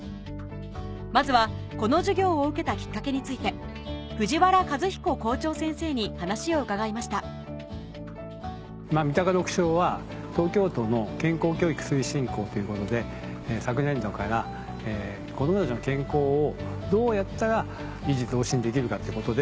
まずはこの授業を受けたきっかけについて藤原和彦校長先生に話を伺いました三鷹六小は東京都の健康教育推進校ということで昨年度から子供たちの健康をどうやったら維持増進できるかってことで。